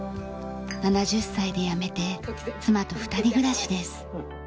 ７０歳で辞めて妻と二人暮らしです。